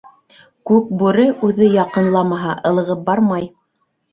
Күкбүре үҙе яҡынламаһа, ылығып бармай.